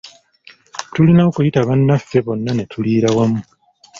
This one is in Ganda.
Tulina okuyita bannaffe bonna ne tuliira wamu.